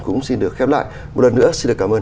cũng xin được khép lại một lần nữa xin được cảm ơn